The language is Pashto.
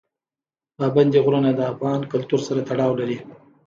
پابندی غرونه د افغان کلتور سره تړاو لري.